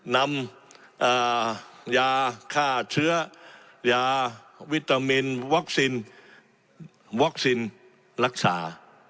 นำยาฆ่าเชื้อยาวิตามินวัคซีนวัคซีนรักษา